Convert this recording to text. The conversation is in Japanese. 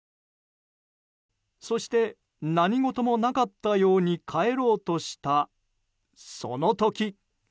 そして、何事もなかったように帰ろうとしたその時。